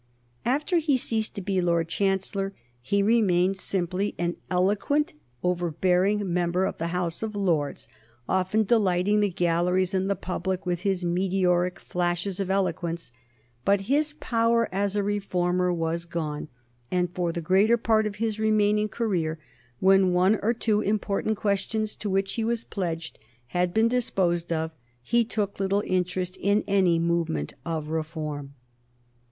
After he ceased to be Lord Chancellor he remained simply an eloquent, overbearing member of the House of Lords, often delighting the galleries and the public with his meteoric flashes of eloquence; but his power as a reformer was gone, and for the greater part of his remaining career, when one or two important questions to which he was pledged had been disposed of, he took little interest in any movement of reform.